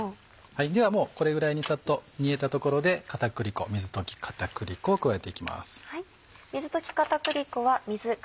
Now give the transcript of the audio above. ではもうこれぐらいにサッと煮えたところで水溶き片栗粉を加えていきます。